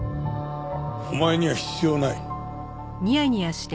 お前には必要ない。